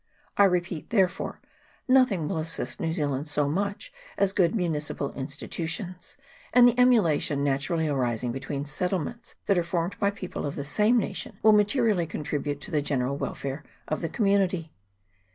I repeat, therefore, nothing will assist New Zealand so much as good municipal institu tions ; and the emulation naturally arising between settlements that are formed by people of the same nation will materially contribute to the general welfare of the community.